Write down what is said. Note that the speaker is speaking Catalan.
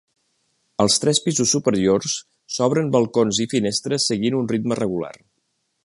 Als tres pisos superiors s'obren balcons i finestres seguint un ritme regular.